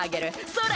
それ！